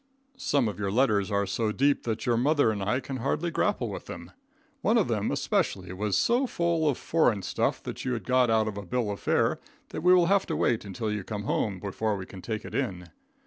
Some of your letters are so deep that your mother and I can hardly grapple with them. One of them, especially, was so full of foreign stuff that you had got out of a bill of fare, that we will have to wait till you come home before we can take it in.